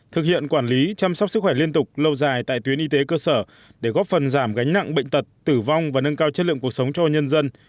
thực hiện quản lý chăm sóc sức khỏe liên tục lâu dài tại tuyến y tế cơ sở để góp phần giảm gánh nặng bệnh tật tử vong và nâng cao chất lượng cuộc sống cho nhân dân